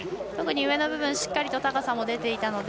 特に上の部分しっかり高さも出ていました。